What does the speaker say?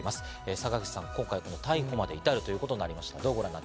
坂口さん、今回の逮捕まで至るということになりました。